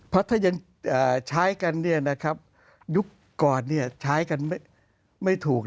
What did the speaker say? เพราะถ้ายังใช้กันยุคก่อนใช้กันไม่ถูก